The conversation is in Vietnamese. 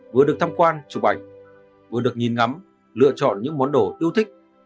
vừa được tham quan chụp ảnh vừa được nhìn ngắm lựa chọn những món đồ yêu thích